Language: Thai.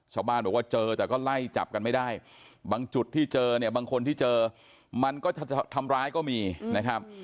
ชาวบ้านบอกว่าเจอแต่ก็ไล่จับกันไม่ได้บางจุดที่เจอเนี่ยบางคนที่เจอมันก็จะทำร้ายก็มีนะครับ